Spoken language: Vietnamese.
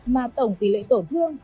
mà tổng tỷ lệ tổn thương